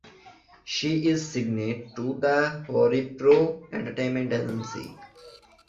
She is signed to the Horipro entertainment agency.